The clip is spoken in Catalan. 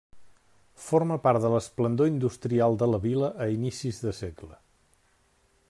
Forma part de l'esplendor industrial de la vila a inicis de segle.